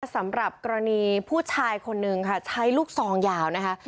สำหรับกรณีผู้ชายคนนึงค่ะใช้ลูกซองยาวนะคะ